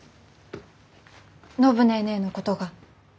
暢ネーネーのことが。